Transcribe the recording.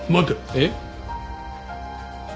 えっ？